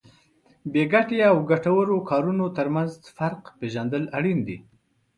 بې ګټې او ګټورو کارونو ترمنځ فرق پېژندل اړین دي.